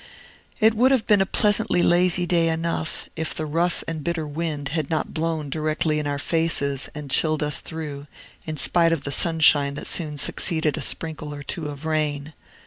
It would have been a pleasantly lazy day enough, if the rough and bitter wind had not blown directly in our faces, and chilled us through, in spite of the sunshine that soon succeeded a sprinkle or two of rain.